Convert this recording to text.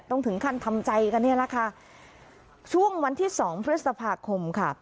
ต้องถึงขั้นทำใจกันเนี่ยแหละค่ะช่วงวันที่สองพฤษภาคมค่ะ